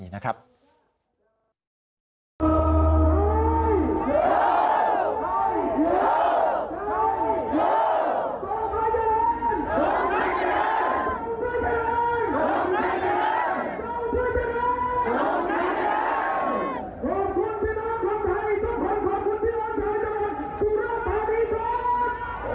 ใครต้องขอบความผลที่รักษาจรรย์สุราธารณีสุร